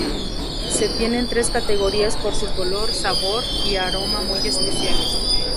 Se tienen tres categorías por su color, sabor y aroma muy especiales.